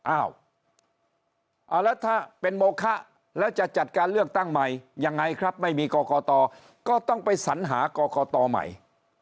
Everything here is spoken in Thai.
อ้าวแล้วถ้าเป็นโมคะแล้วจะจัดการเลือกตั้งใหม่ยังไงครับไม่มีกรกตก็ต้องไปสัญหากรกตใหม่